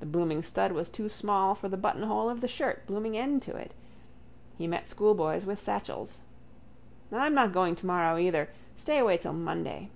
The blooming stud was too small for the buttonhole of the shirt, blooming end to it. He met schoolboys with satchels. I'm not going tomorrow either, stay away till Monday.